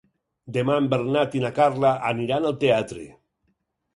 Demà en Bernat i na Carla aniran al teatre.